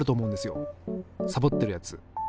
サボってるやつ。